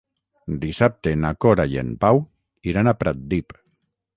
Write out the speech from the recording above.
Dissabte na Cora i en Pau iran a Pratdip.